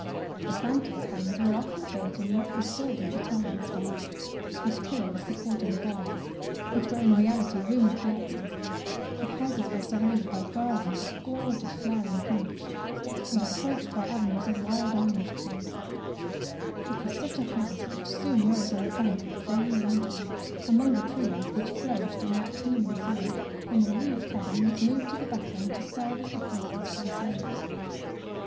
The planters' homes were often built in what was called the "Italian style," with pillars supporting the galleries, which were in reality roomy piazzas. The houses were surrounded by gar dens of gorgeous flowering plants, and 174 THE PEAEL NECKLACE approached by avenues of wild orange trees. It was such a house which soon rose on the bank of the Bayou Grentilly, among the trees which flourished in that teeming soil, and the rude cabin was moved into the background to serve as the quarters for the slaves.